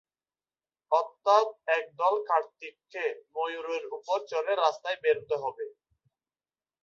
অর্থাৎ, একদল কার্তিককে ময়ূরের উপর চড়ে রাস্তায় বেরোতে হবে।